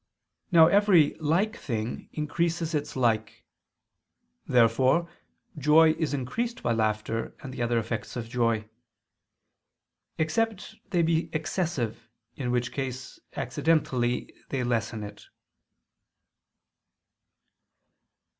Now every like thing increases its like. Therefore joy is increased by laughter and the other effects of joy: except they be excessive, in which case, accidentally, they lessen it.